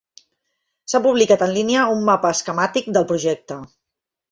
S'ha publicat en línia un mapa esquemàtic del projecte.